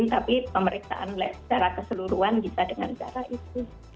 tapi pemeriksaan secara keseluruhan bisa dengan cara itu